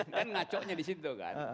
kan ngaconya di situ kan